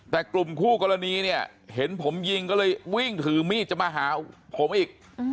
แต่กลุ่มคู่กรณีเนี่ยเห็นผมยิงก็เลยวิ่งถือมีดจะมาหาผมอีก